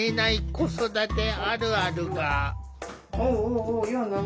子育てあるあるが。